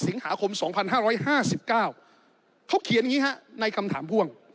สิงหาคมสองพันห้าร้อยห้าสิบเก้าเขาเขียนอย่างงี้ฮะในคำถามพ่วง